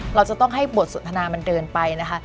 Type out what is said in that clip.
เราจะต้องให้บทสนทนามันเดินไปนะคะ